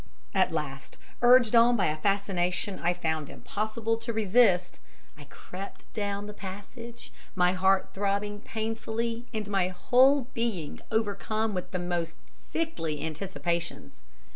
At last, urged on by a fascination I found impossible to resist, I crept down the passage, my heart throbbing painfully and my whole being overcome with the most sickly anticipations.